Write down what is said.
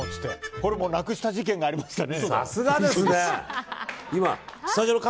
ホルモンなくした事件がありましたね。